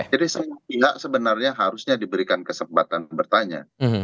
jadi pihak sebenarnya harusnya diberikan kesempatan bertanya